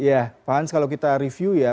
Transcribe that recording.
ya pak hans kalau kita review ya